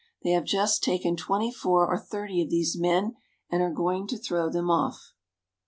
They have just taken twenty four or thirty of these men, and are going to throw them off."